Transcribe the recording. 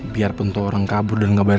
biarpun tuh orang kabur dan gak bayar